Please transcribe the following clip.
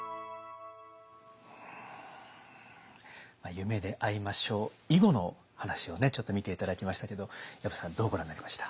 「夢であいましょう」以後の話をちょっと見て頂きましたけど薮さんどうご覧になりました？